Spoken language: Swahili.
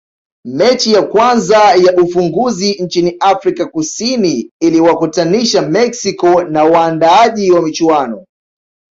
mechi ya kwanza ya ufunguzi nchini afrika kusini iliwakutanisha mexico na waandaaji wa michuano